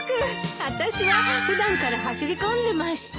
あたしは普段から走り込んでまして。